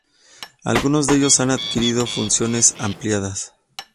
Algunos de ellos han adquirido funciones ampliadas.